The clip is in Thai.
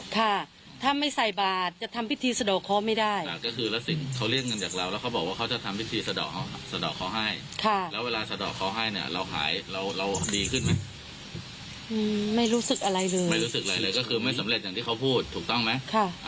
แหม่มันดูเหมือนจริงเหลือเกินนะคะ